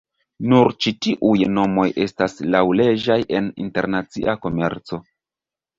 Nur ĉi-tuj nomoj estas laŭleĝaj en internacia komerco.